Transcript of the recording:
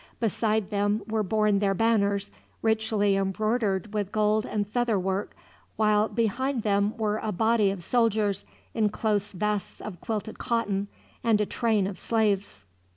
Beside them were borne their banners, richly embroidered with gold and feather work, while behind them were a body of soldiers, in close vests of quilted cotton, and a train of slaves.